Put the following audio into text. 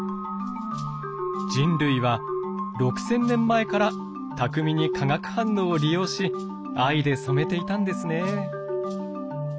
人類は６，０００年前から巧みに化学反応を利用し藍で染めていたんですね。